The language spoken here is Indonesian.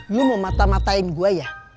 lu mau mata matain gua ya